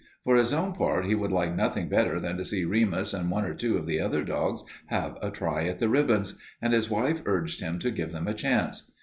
For his own part he would like nothing better than to see Remus and one or two of the other dogs have a try at the ribbons, and his wife urged him to give them a chance.